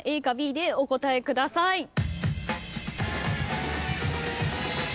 ＡかＢでお答えください。